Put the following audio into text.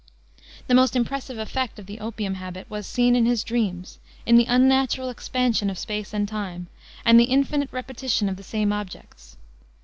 The most impressive effect of the opium habit was seen in his dreams, in the unnatural expansion of space and time, and the infinite repetition of the same objects.